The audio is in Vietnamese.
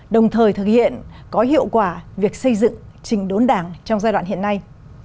đồng thời thực hiện có hiệu quả việc xây dựng trình đốn đảng trong giai đoạn hiện nay